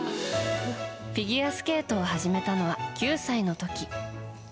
フィギュアスケートを始めたのは９歳の時。